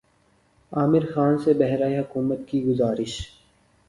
عامر خان سے بہار حکومت کی گزارش